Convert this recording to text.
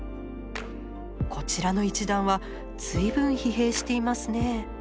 こちらの一団は随分疲弊していますね。